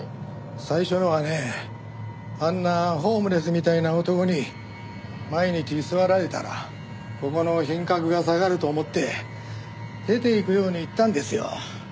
最初のはねあんなホームレスみたいな男に毎日居座られたらここの品格が下がると思って出ていくように言ったんですよ。